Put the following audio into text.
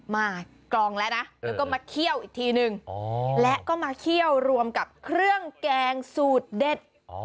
มากรองแล้วนะแล้วก็มาเคี่ยวอีกทีนึงแล้วก็มาเคี่ยวรวมกับเครื่องแกงสูตรเด็ด